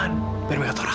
harusnya nona duin ke tuhan